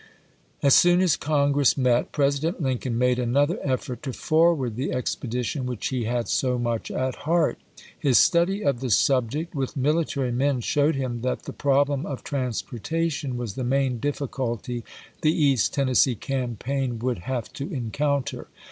As soon as Congress met. President Lincoln made another effort to forward the expedition which he had so much at heart. His study of the subject with militar}^ men showed him that the problem of transportation was the main difficulty the East Tennessee campaign would have to encounter.